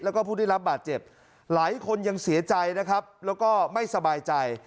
แล้วก็ผู้ได้รับบาดเจ็บหลายคนยังเสียใจนะครับแล้วก็ไม่สบายใจ